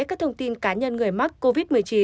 các thông tin cá nhân người mắc covid một mươi chín